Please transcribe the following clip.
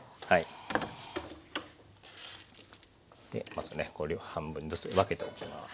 まずねこれを半分ずつに分けておきます。